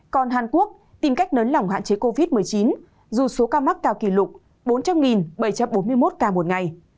còn hàn quốc tìm cách nớn lỏng hạn chế covid một mươi chín dù số ca mắc cao kỷ lục bốn trăm linh bảy trăm bốn mươi một ca một ngày